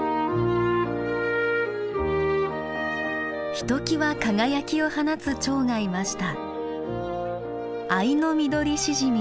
ひときわ輝きを放つチョウがいました。